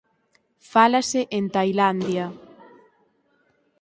Fálase en Tailandia.